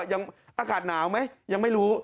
อากาศหนาวไหมยังไม่รู้